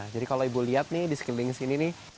jadi kalau ibu lihat nih di sekiling sini nih